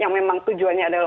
yang memang tujuannya adalah